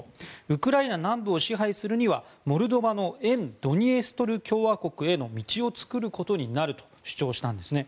ウクライナ南部を支配するにはモルドバの沿ドニエストル共和国への道を作ることになると主張したんですね。